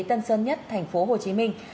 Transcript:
tân sơn nhất thành phố hồ chí minh